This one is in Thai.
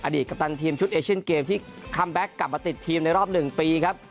ตกัปตันทีมชุดเอเชียนเกมที่คัมแบ็คกลับมาติดทีมในรอบ๑ปีครับ